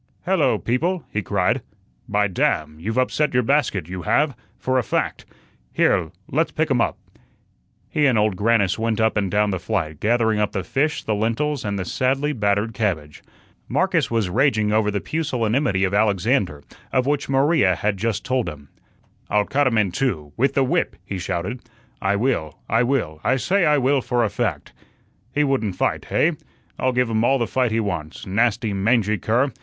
"Hello, people," he cried. "By damn! you've upset your basket you have, for a fact. Here, let's pick um up." He and Old Grannis went up and down the flight, gathering up the fish, the lentils, and the sadly battered cabbage. Marcus was raging over the pusillanimity of Alexander, of which Maria had just told him. "I'll cut him in two with the whip," he shouted. "I will, I will, I say I will, for a fact. He wouldn't fight, hey? I'll give um all the fight he wants, nasty, mangy cur.